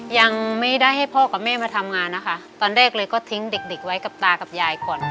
ยังไม่ได้ให้พ่อกับแม่มาทำงานนะคะตอนแรกเลยก็ทิ้งเด็กเด็กไว้กับตากับยายก่อน